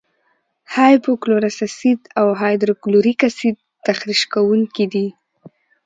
هایپو کلورس اسید او هایدروکلوریک اسید تخریش کوونکي دي.